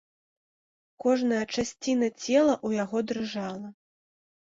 Кожная часціна цела ў яго дрыжала.